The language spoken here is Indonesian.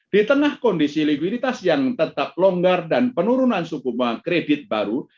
di tengah kondisi likuiditas yang tetap longgar dan penurunan suku bunga kredit baru